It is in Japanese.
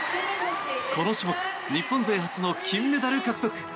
この種目日本勢初の金メダル獲得。